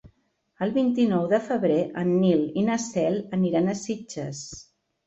El vint-i-nou de febrer en Nil i na Cel aniran a Sitges.